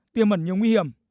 tiềm mẩn nhiều nguy hiểm